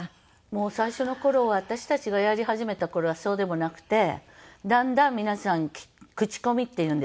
もう最初の頃私たちがやり始めた頃はそうでもなくてだんだん皆さん口コミっていうんですか？